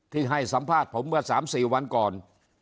ให้สัมภาษณ์ผมเมื่อ๓๔วันก่อน